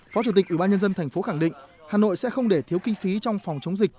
phó chủ tịch ubnd tp khẳng định hà nội sẽ không để thiếu kinh phí trong phòng chống dịch